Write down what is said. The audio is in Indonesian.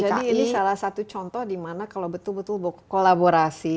jadi ini salah satu contoh di mana kalau betul betul kolaborasi